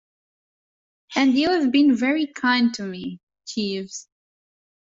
And you have been very kind to me, Jeeves.